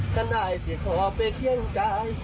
ก็ได้สิขอไปเคียงกาย